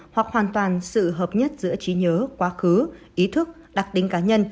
hoặc hoàn toàn sự hợp nhất giữa trí nhớ quá khứ ý thức đặc tính cá nhân